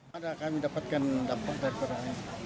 ada kami dapatkan dampak terperang